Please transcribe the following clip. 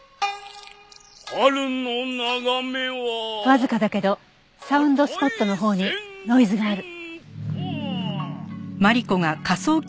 わずかだけどサウンドスポットのほうにノイズがある。